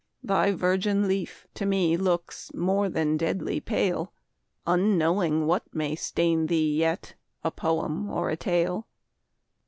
thy virgin leaf To me looks more than deadly pale, Unknowing what may stain thee yet, A poem or a tale.